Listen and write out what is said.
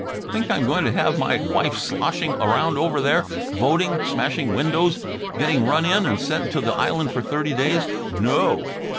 Think I'm going to have my wife sloshing around over there, voting, smashing windows, getting run in and sent to the island for thirty days. No!